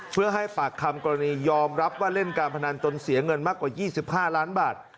เพื่อให้ปากคำกรณียอมรับว่าเล่นการพนันจนเสียเงินมากกว่า๒๕ล้านบาท